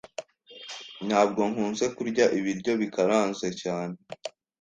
Ntabwo nkunze kurya ibiryo bikaranze cyane.